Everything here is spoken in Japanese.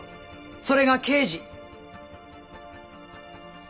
それが刑事。